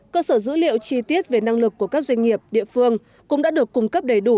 cơ sở dữ liệu chi tiết về năng lực của các doanh nghiệp địa phương cũng đã được cung cấp đầy đủ